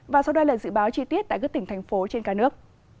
và sau đây là dự báo chi tiết tại các tỉnh thành phố trên cả nước